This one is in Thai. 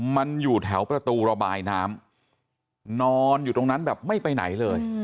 มันอยู่แถวประตูระบายน้ำนอนอยู่ตรงนั้นแบบไม่ไปไหนเลย